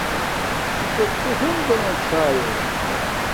کسک تو ہنزو نو چھاݵ